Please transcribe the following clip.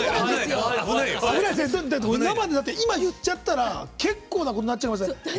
生で今、言っちゃったら結構なことになっちゃいますよね。